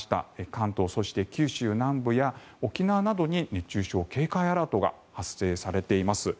関東、そして九州南部や沖縄などに熱中症警戒アラートが発表されています。